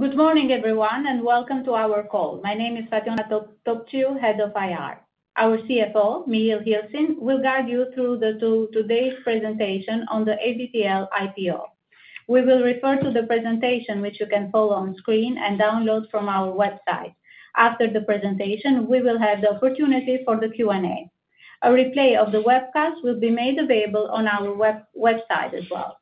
Good morning, everyone, and welcome to our call. My name is Fatjona Topciu, Head of IR. Our CFO, Michiel Gilsing, will guide you through today's presentation on the AVTL IPO. We will refer to the presentation, which you can follow on screen and download from our website. After the presentation, we will have the opportunity for the Q&A. A replay of the webcast will be made available on our website as well.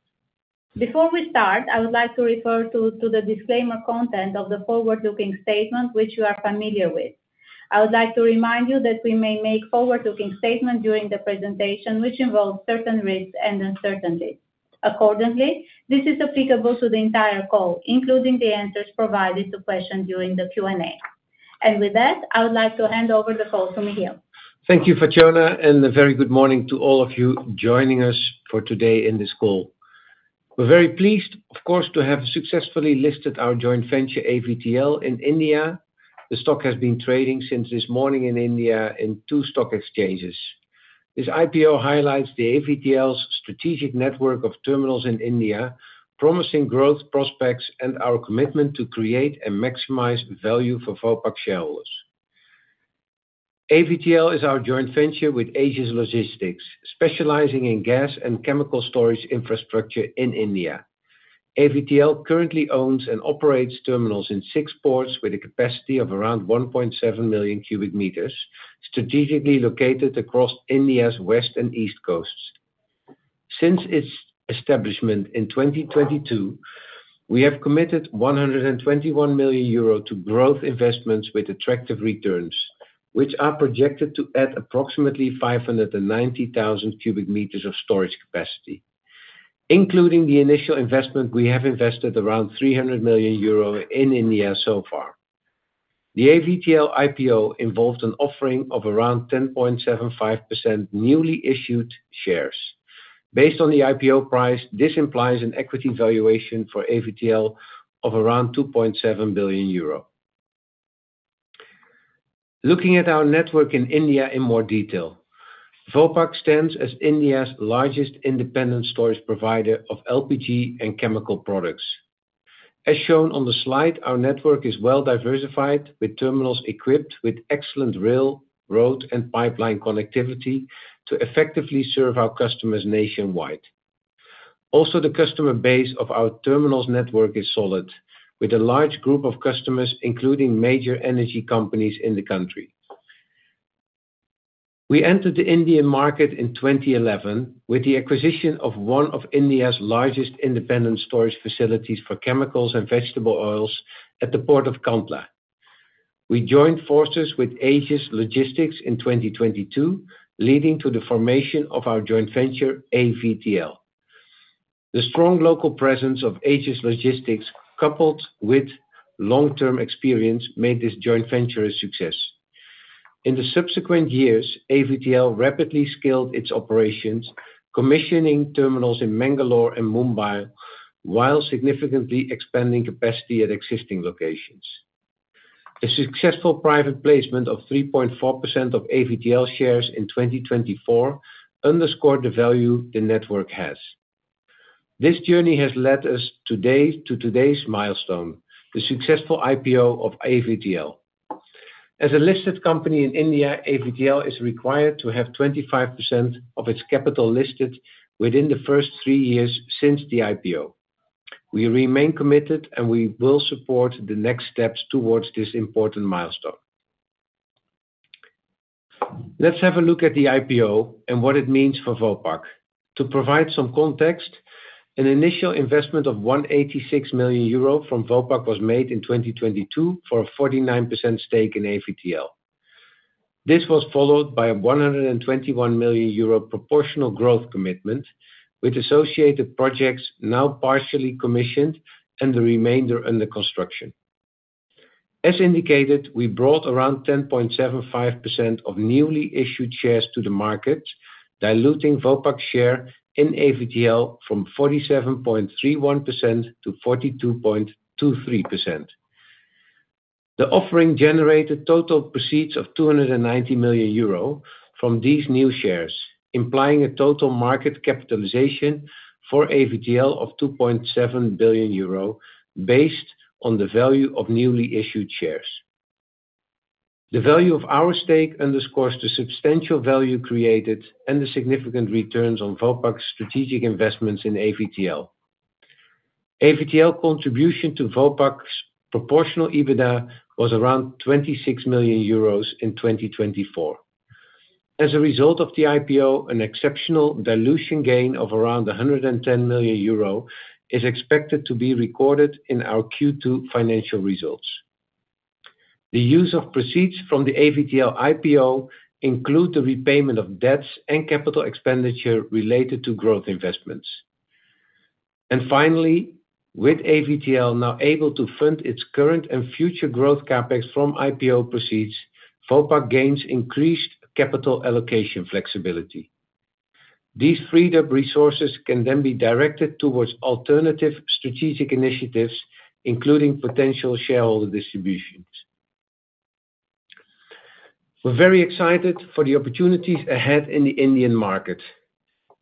Before we start, I would like to refer to the disclaimer content of the forward-looking statement, which you are familiar with. I would like to remind you that we may make forward-looking statements during the presentation, which involves certain risks and uncertainties. Accordingly, this is applicable to the entire call, including the answers provided to questions during the Q&A. With that, I would like to hand over the call to Michiel. Thank you, Fatjona, and a very good morning to all of you joining us for today in this call. We're very pleased, of course, to have successfully listed our joint venture, AVTL, in India. The stock has been trading since this morning in India in two stock exchanges. This IPO highlights AVTL's strategic network of terminals in India, promising growth prospects, and our commitment to create and maximize value for Vopak shareholders. AVTL is our joint venture with Aegis Logistics, specializing in gas and chemical storage infrastructure in India. AVTL currently owns and operates terminals in six ports with a capacity of around 1.7 million cubic meters, strategically located across India's west and east coasts. Since its establishment in 2022, we have committed 121 million euro to growth investments with attractive returns, which are projected to add approximately 590,000 cubic meters of storage capacity. Including the initial investment, we have invested around 300 million euro in India so far. The AVTL IPO involved an offering of around 10.75% newly issued shares. Based on the IPO price, this implies an equity valuation for AVTL of around 2.7 billion euro. Looking at our network in India in more detail, Vopak stands as India's largest independent storage provider of LPG and chemical products. As shown on the slide, our network is well diversified with terminals equipped with excellent rail, road, and pipeline connectivity to effectively serve our customers nationwide. Also, the customer base of our terminals network is solid, with a large group of customers, including major energy companies in the country. We entered the Indian market in 2011 with the acquisition of one of India's largest independent storage facilities for chemicals and vegetable oils at the port of Kandla. We joined forces with Aegis Logistics in 2022, leading to the formation of our joint venture, AVTL. The strong local presence of Aegis Logistics, coupled with long-term experience, made this joint venture a success. In the subsequent years, AVTL rapidly scaled its operations, commissioning terminals in Mangalore and Mumbai, while significantly expanding capacity at existing locations. A successful private placement of 3.4% of AVTL shares in 2024 underscored the value the network has. This journey has led us to today's milestone, the successful IPO of AVTL. As a listed company in India, AVTL is required to have 25% of its capital listed within the first three years since the IPO. We remain committed, and we will support the next steps towards this important milestone. Let's have a look at the IPO and what it means for Vopak. To provide some context, an initial investment of 186 million euro from Vopak was made in 2022 for a 49% stake in AVTL. This was followed by a 121 million euro proportional growth commitment, with associated projects now partially commissioned and the remainder under construction. As indicated, we brought around 10.75% of newly issued shares to the market, diluting Vopak's share in AVTL from 47.31% to 42.23%. The offering generated total proceeds of 290 million euro from these new shares, implying a total market capitalization for AVTL of 2.7 billion euro, based on the value of newly issued shares. The value of our stake underscores the substantial value created and the significant returns on Vopak's strategic investments in AVTL. AVTL's contribution to Vopak's proportional EBITDA was around 26 million euros in 2024. As a result of the IPO, an exceptional dilution gain of around 110 million euro is expected to be recorded in our Q2 financial results. The use of proceeds from the AVTL IPO includes the repayment of debts and capital expenditure related to growth investments. Finally, with AVTL now able to fund its current and future growth capex from IPO proceeds, Vopak gains increased capital allocation flexibility. These freed-up resources can then be directed towards alternative strategic initiatives, including potential shareholder distributions. We're very excited for the opportunities ahead in the Indian market.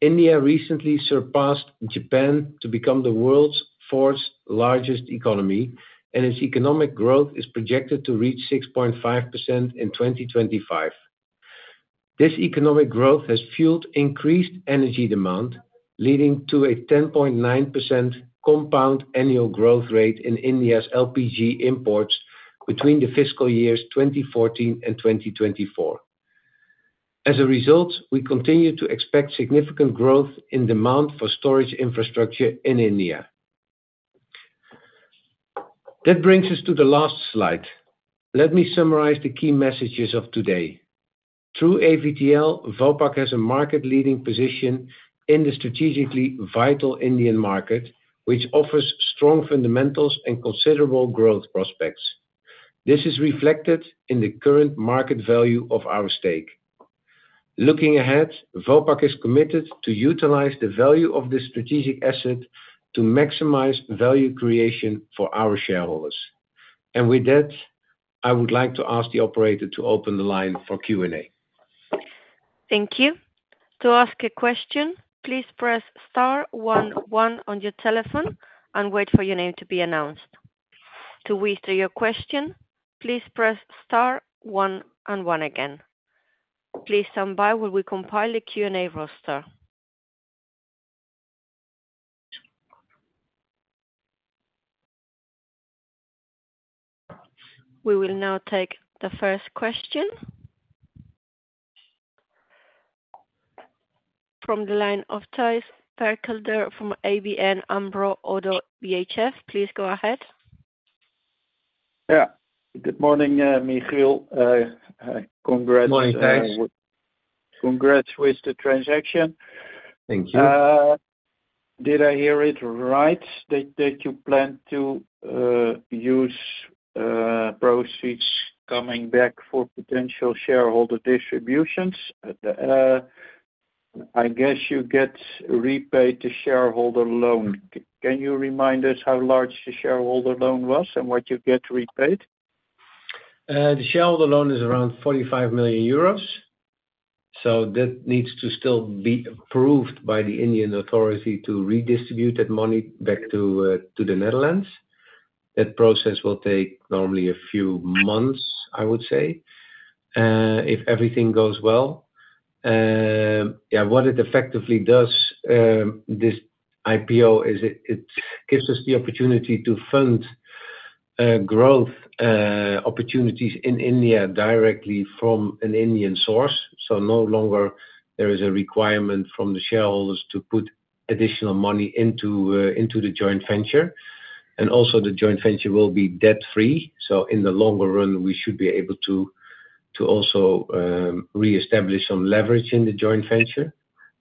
India recently surpassed Japan to become the world's fourth-largest economy, and its economic growth is projected to reach 6.5% in 2025. This economic growth has fueled increased energy demand, leading to a 10.9% compound annual growth rate in India's LPG imports between the fiscal years 2014 and 2024. As a result, we continue to expect significant growth in demand for storage infrastructure in India. That brings us to the last slide. Let me summarize the key messages of today. Through AVTL, Vopak has a market-leading position in the strategically vital Indian market, which offers strong fundamentals and considerable growth prospects. This is reflected in the current market value of our stake. Looking ahead, Vopak is committed to utilize the value of this strategic asset to maximize value creation for our shareholders. I would like to ask the operator to open the line for Q&A. Thank you. To ask a question, please press star 1, 1 on your telephone and wait for your name to be announced. To whisper your question, please press star 1, and 1 again. Please stand by while we compile the Q&A roster. We will now take the first question. From the line of Thijs Berkelder from ABNAMRO ODDO BHF, please go ahead. Yeah. Good morning, Michiel. Congrats. Morning, Thais. Congrats with the transaction. Thank you. Did I hear it right that you plan to use proceeds coming back for potential shareholder distributions? I guess you get repaid the shareholder loan. Can you remind us how large the shareholder loan was and what you get repaid? The shareholder loan is around 45 million euros. That needs to still be approved by the Indian authority to redistribute that money back to the Netherlands. That process will take normally a few months, I would say, if everything goes well. Yeah, what it effectively does, this IPO, is it gives us the opportunity to fund growth opportunities in India directly from an Indian source. No longer there is a requirement from the shareholders to put additional money into the joint venture. Also, the joint venture will be debt-free. In the longer run, we should be able to also reestablish some leverage in the joint venture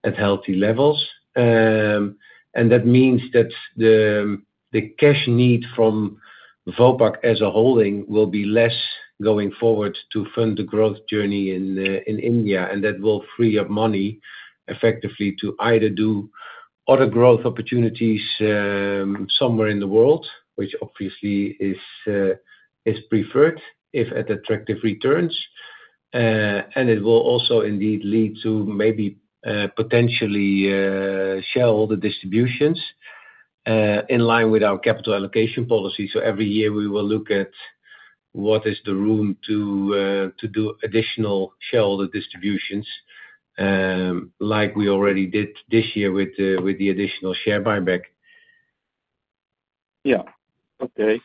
at healthy levels. That means that the cash need from Vopak as a holding will be less going forward to fund the growth journey in India. That will free up money effectively to either do other growth opportunities somewhere in the world, which obviously is preferred if at attractive returns. It will also indeed lead to maybe potentially shareholder distributions in line with our capital allocation policy. Every year, we will look at what is the room to do additional shareholder distributions, like we already did this year with the additional share buyback. Yeah. Okay.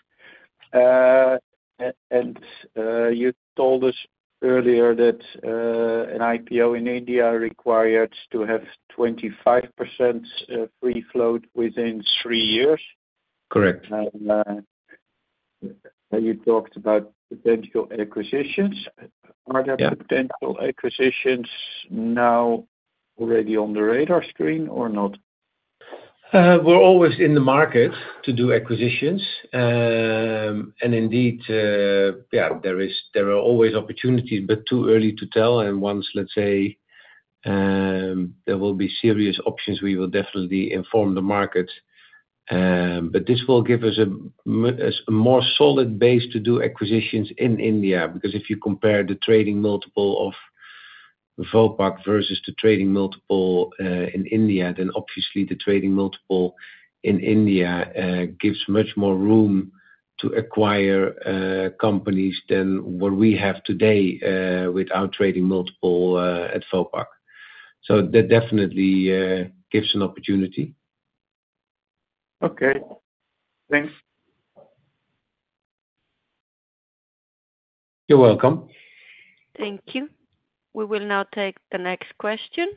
You told us earlier that an IPO in India requires to have 25% free float within three years. Correct. You talked about potential acquisitions. Are there potential acquisitions now already on the radar screen or not? We're always in the market to do acquisitions. Indeed, yeah, there are always opportunities, but too early to tell. Once, let's say, there will be serious options, we will definitely inform the market. This will give us a more solid base to do acquisitions in India. If you compare the trading multiple of Vopak versus the trading multiple in India, then obviously the trading multiple in India gives much more room to acquire companies than what we have today with our trading multiple at Vopak. That definitely gives an opportunity. Okay. Thanks. You're welcome. Thank you. We will now take the next question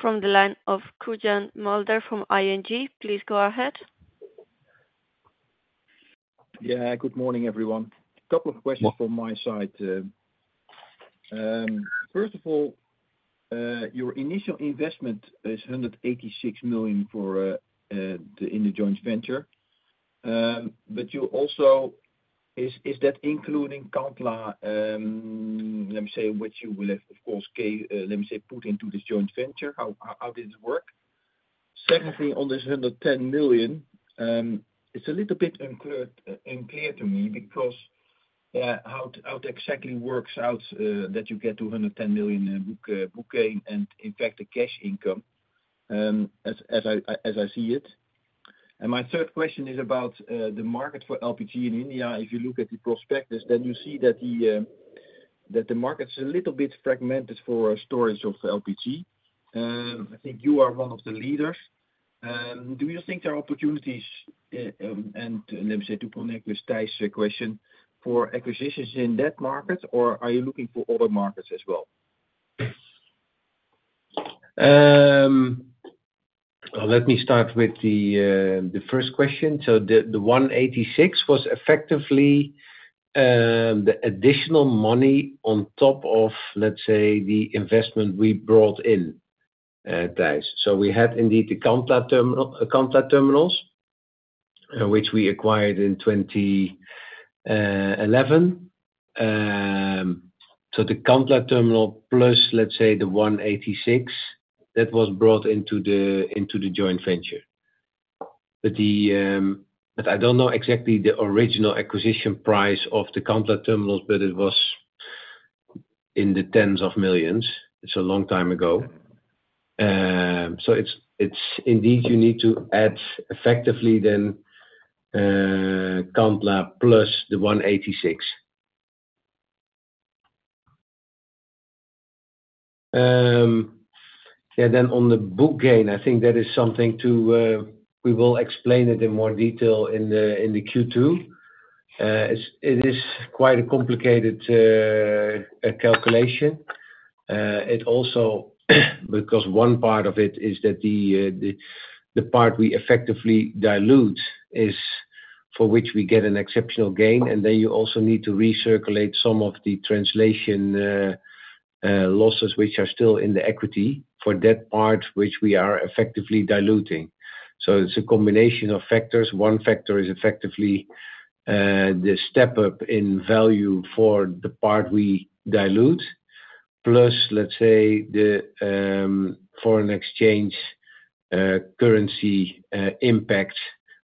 from the line of Quirijn Mulder from ING. Please go ahead. Yeah. Good morning, everyone. A couple of questions from my side. First of all, your initial investment is 186 million for the joint venture. Is that including Kandla, let me say, which you will have, of course, let me say, put into this joint venture? How did it work? Secondly, on this 110 million, it's a little bit unclear to me because how it exactly works out that you get 210 million book gain and, in fact, the cash income, as I see it. My third question is about the market for LPG in India. If you look at the prospectus, then you see that the market is a little bit fragmented for storage of LPG. I think you are one of the leaders. Do you think there are opportunities, let me say, to connect with Thijs' question for acquisitions in that market, or are you looking for other markets as well? Let me start with the first question. The 186 million was effectively the additional money on top of, let's say, the investment we brought in, Thijs. We had indeed the Kandla terminals, which we acquired in 2011. The Kandla terminal plus, let's say, the 186 million that was brought into the joint venture. I do not know exactly the original acquisition price of the Kandla terminals, but it was in the tens of millions. It is a long time ago. You need to add effectively then Kandla plus the 186 million. Yeah. On the book gain, I think that is something we will explain in more detail in the Q2. It is quite a complicated calculation. One part of it is that the part we effectively dilute is for which we get an exceptional gain. You also need to recirculate some of the translation losses, which are still in the equity for that part, which we are effectively diluting. It is a combination of factors. One factor is effectively the step-up in value for the part we dilute, plus, let's say, the foreign exchange currency impact,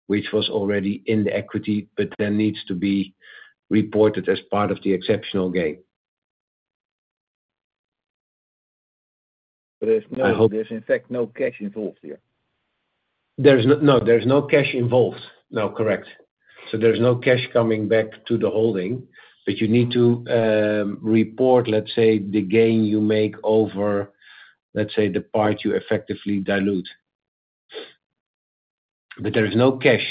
which was already in the equity, but then needs to be reported as part of the exceptional gain. In fact, no cash involved here. No, there's no cash involved. No, correct. There's no cash coming back to the holding. You need to report, let's say, the gain you make over, let's say, the part you effectively dilute. There is no cash.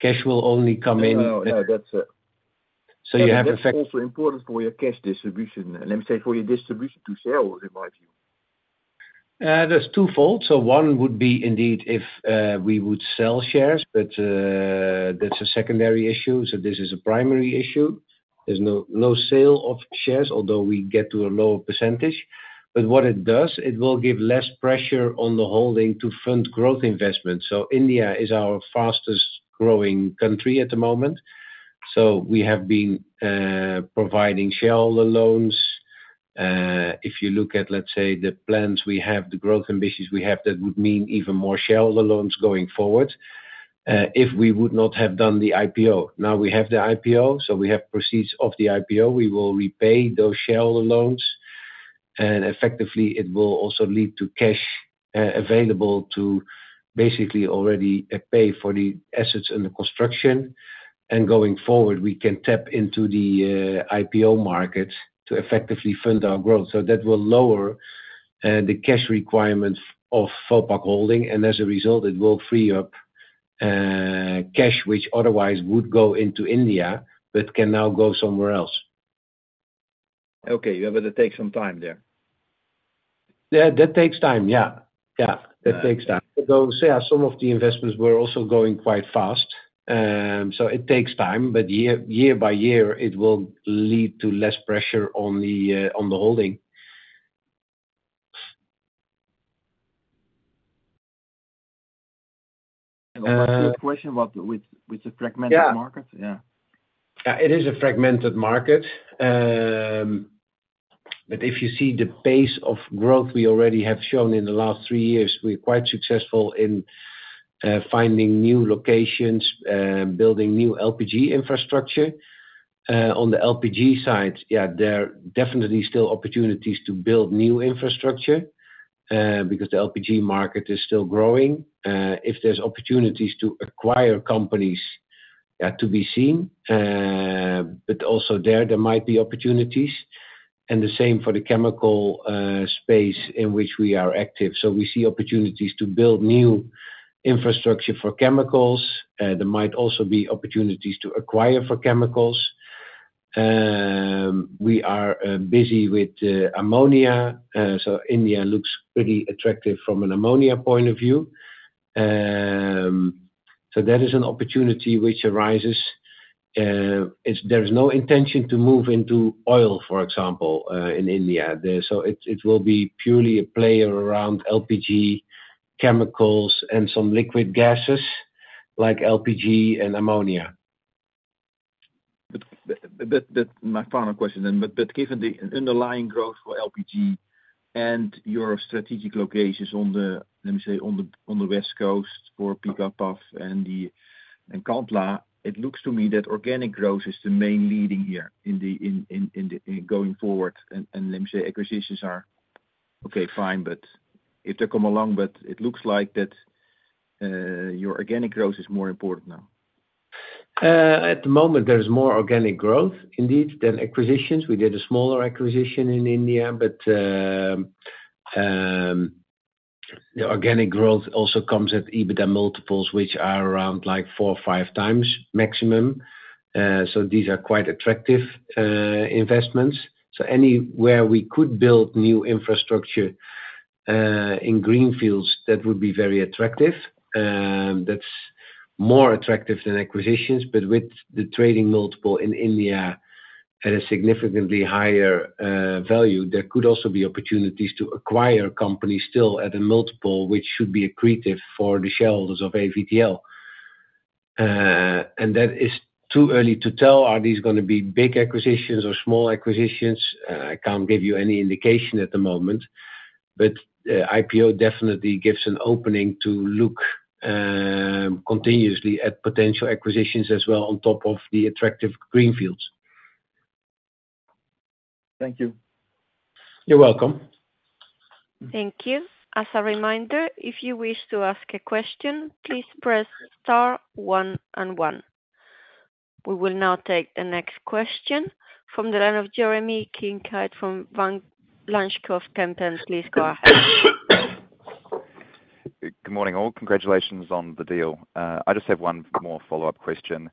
Cash will only come in. No, no. That's it. You have effective. It's also important for your cash distribution, let me say, for your distribution to shares, in my view. There's twofold. One would be indeed if we would sell shares, but that's a secondary issue. This is a primary issue. There's no sale of shares, although we get to a lower percentage. What it does, it will give less pressure on the holding to fund growth investments. India is our fastest-growing country at the moment. We have been providing shareholder loans. If you look at, let's say, the plans we have, the growth ambitions we have, that would mean even more shareholder loans going forward if we would not have done the IPO. Now we have the IPO. We have proceeds of the IPO. We will repay those shareholder loans. Effectively, it will also lead to cash available to basically already pay for the assets and the construction. Going forward, we can tap into the IPO market to effectively fund our growth. That will lower the cash requirements of Vopak Holding. As a result, it will free up cash, which otherwise would go into India, but can now go somewhere else. Okay. You have to take some time there. Yeah, that takes time. Although, yeah, some of the investments were also going quite fast. It takes time, but year by year, it will lead to less pressure on the holding. What's your question with the fragmented market? Yeah. Yeah, it is a fragmented market. If you see the pace of growth we already have shown in the last three years, we're quite successful in finding new locations, building new LPG infrastructure. On the LPG side, yeah, there are definitely still opportunities to build new infrastructure because the LPG market is still growing. If there's opportunities to acquire companies, yeah, to be seen. There might be opportunities. The same for the chemical space in which we are active. We see opportunities to build new infrastructure for chemicals. There might also be opportunities to acquire for chemicals. We are busy with ammonia. India looks pretty attractive from an ammonia point of view. That is an opportunity which arises. There is no intention to move into oil, for example, in India. It will be purely a player around LPG, chemicals, and some liquid gases like LPG and ammonia. My final question then, given the underlying growth for LPG and your strategic locations on the, let me say, on the West Coast for Pipavav and Kandla, it looks to me that organic growth is the main leading here in going forward. Let me say, acquisitions are, okay, fine, if they come along, but it looks like your organic growth is more important now. At the moment, there's more organic growth indeed than acquisitions. We did a smaller acquisition in India, but the organic growth also comes at EBITDA multiples, which are around like four or five times maximum. These are quite attractive investments. Anywhere we could build new infrastructure in greenfields, that would be very attractive. That is more attractive than acquisitions. With the trading multiple in India at a significantly higher value, there could also be opportunities to acquire companies still at a multiple, which should be accretive for the shareholders of AVTL. That is too early to tell. Are these going to be big acquisitions or small acquisitions? I can't give you any indication at the moment. The IPO definitely gives an opening to look continuously at potential acquisitions as well on top of the attractive greenfields. Thank you. You're welcome. Thank you. As a reminder, if you wish to ask a question, please press star one and one. We will now take the next question from the line of Jeremy Kincaid from Van Lanschot Kempen. Please go ahead. Good morning, all. Congratulations on the deal. I just have one more follow-up question.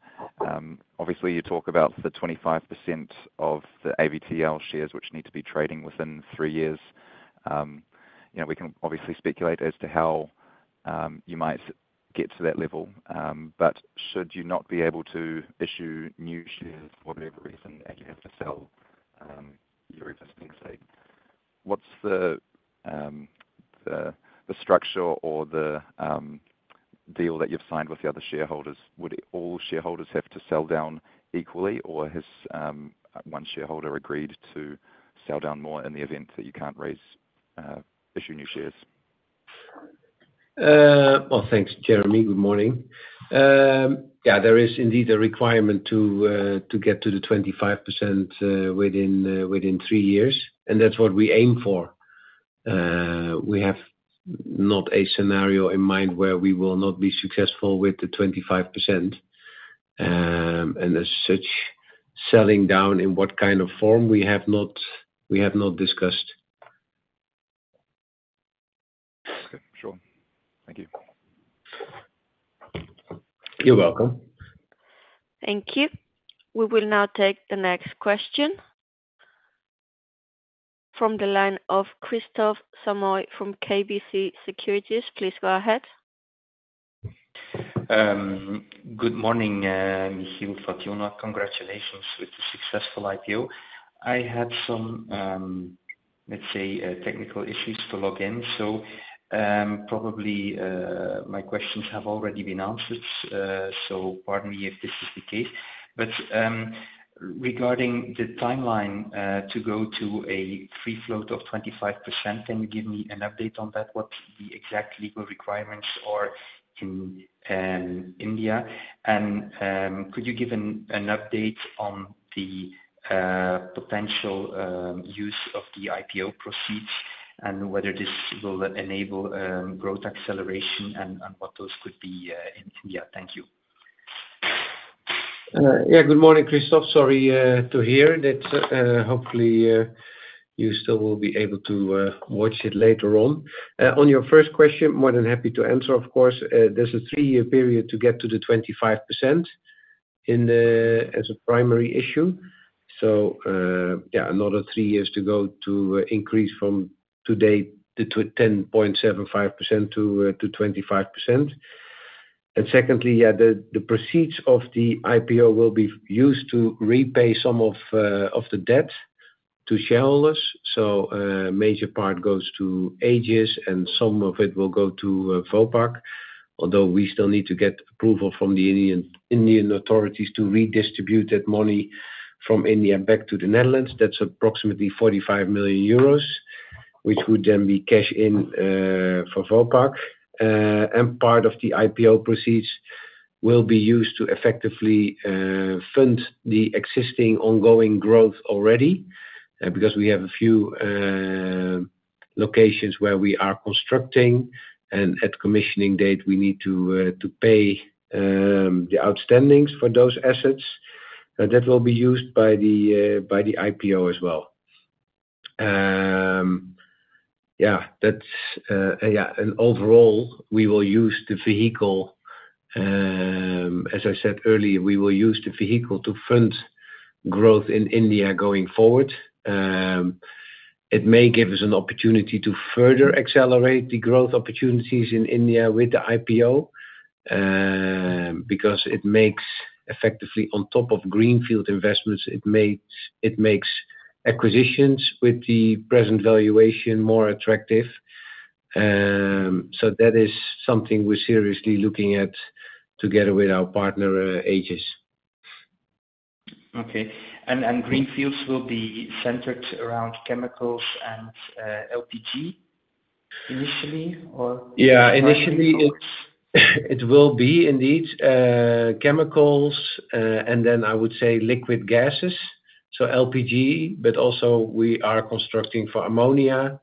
Obviously, you talk about the 25% of the AVTL shares which need to be trading within three years. We can obviously speculate as to how you might get to that level. Should you not be able to issue new shares for whatever reason and you have to sell your existing stake, what's the structure or the deal that you've signed with the other shareholders? Would all shareholders have to sell down equally, or has one shareholder agreed to sell down more in the event that you can't issue new shares? Thanks, Jeremy. Good morning. Yeah, there is indeed a requirement to get to the 25% within three years. That is what we aim for. We have not a scenario in mind where we will not be successful with the 25%. As such, selling down in what kind of form, we have not discussed. Okay. Sure. Thank you. You're welcome. Thank you. We will now take the next question from the line of Kristof Samoy from KBC Securities. Please go ahead. Good morning, Michiel, Fatjona. Congratulations with the successful IPO. I had some, let's say, technical issues to log in. Probably my questions have already been answered. Pardon me if this is the case. Regarding the timeline to go to a free float of 25%, can you give me an update on that? What's the exact legal requirements in India? Could you give an update on the potential use of the IPO proceeds and whether this will enable growth acceleration and what those could be in India? Thank you. Yeah. Good morning, Kristof. Sorry to hear that. Hopefully, you still will be able to watch it later on. On your first question, more than happy to answer, of course. There is a three-year period to get to the 25% as a primary issue. Yeah, another three years to go to increase from today to 10.75% to 25%. Secondly, the proceeds of the IPO will be used to repay some of the debt to shareholders. A major part goes to Aegis, and some of it will go to Vopak, although we still need to get approval from the Indian authorities to redistribute that money from India back to the Netherlands. That is approximately 45 million euros, which would then be cash in for Vopak. Part of the IPO proceeds will be used to effectively fund the existing ongoing growth already because we have a few locations where we are constructing. At commissioning date, we need to pay the outstandings for those assets that will be used by the IPO as well. Yeah. Yeah. Overall, we will use the vehicle, as I said earlier, we will use the vehicle to fund growth in India going forward. It may give us an opportunity to further accelerate the growth opportunities in India with the IPO because it makes effectively on top of greenfield investments, it makes acquisitions with the present valuation more attractive. That is something we are seriously looking at together with our partner, Aegis. Okay. And greenfields will be centered around chemicals and LPG initially, or? Yeah. Initially, it will be indeed chemicals and then, I would say, liquid gases. LPG, but also we are constructing for ammonia.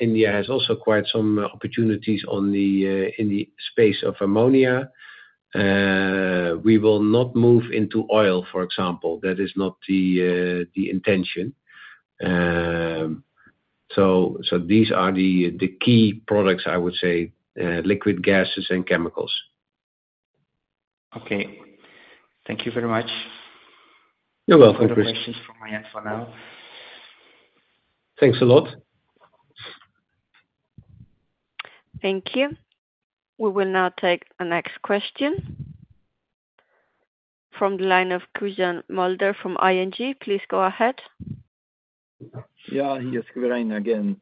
India has also quite some opportunities in the space of ammonia. We will not move into oil, for example. That is not the intention. These are the key products, I would say, liquid gases and chemicals. Okay. Thank you very much. You're welcome, Kristof. No more questions from my end for now. Thanks a lot. Thank you. We will now take the next question from the line of Quirijn Mulder from ING. Please go ahead. Yeah. Yes, Quirijn again.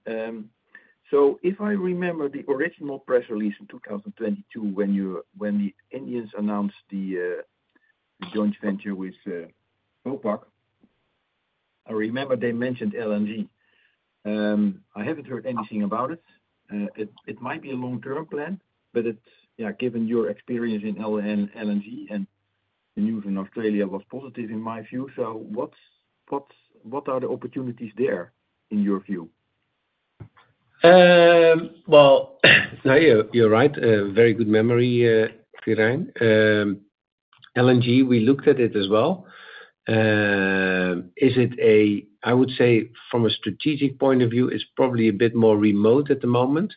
If I remember the original press release in 2022 when the Indians announced the joint venture with Vopak, I remember they mentioned LNG. I have not heard anything about it. It might be a long-term plan, but yeah, given your experience in LNG and the news in Australia was positive in my view. What are the opportunities there in your view? You're right. Very good memory, Quirijn. LNG, we looked at it as well. Is it a, I would say, from a strategic point of view, it's probably a bit more remote at the moment.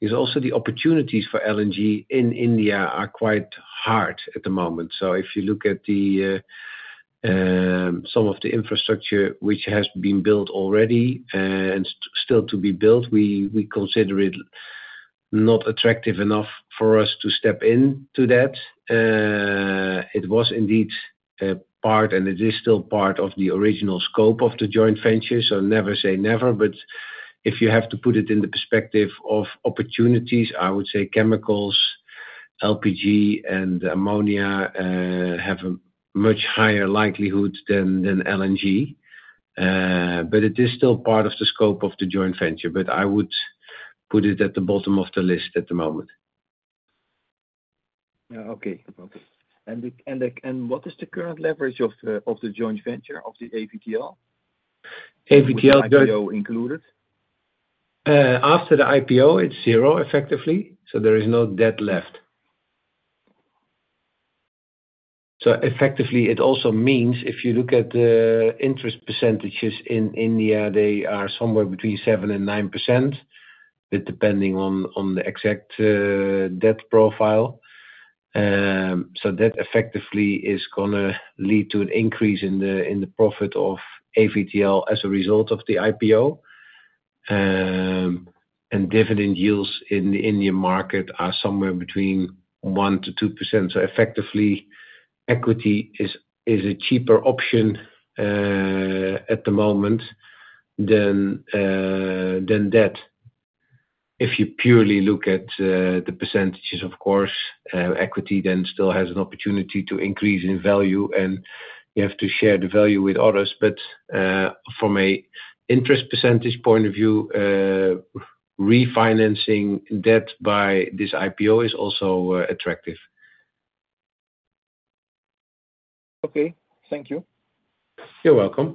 Because also the opportunities for LNG in India are quite hard at the moment. If you look at some of the infrastructure which has been built already and still to be built, we consider it not attractive enough for us to step into that. It was indeed part, and it is still part of the original scope of the joint venture. Never say never. If you have to put it in the perspective of opportunities, I would say chemicals, LPG, and ammonia have a much higher likelihood than LNG. It is still part of the scope of the joint venture. I would put it at the bottom of the list at the moment. Yeah. Okay. Okay. What is the current leverage of the joint venture of the AVTL? AVTL? IPO included. After the IPO, it's zero effectively. There is no debt left. It also means if you look at the interest percentages in India, they are somewhere between 7-9%, depending on the exact debt profile. That effectively is going to lead to an increase in the profit of AVTL as a result of the IPO. Dividend yields in the Indian market are somewhere between 1-2%. Effectively, equity is a cheaper option at the moment than debt. If you purely look at the percentages, of course, equity then still has an opportunity to increase in value, and you have to share the value with others. From an interest percentage point of view, refinancing debt by this IPO is also attractive. Okay. Thank you. You're welcome.